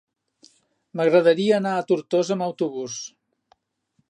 M'agradaria anar a Tortosa amb autobús.